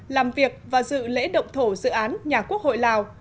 làm việc và dự lễ động thổ dự án nhà quốc hội lào